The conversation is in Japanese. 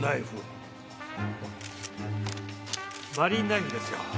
マリンナイフですよ。